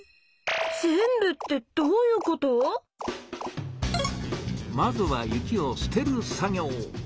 全部ってどういうこと⁉まずは雪を「捨てる」作業。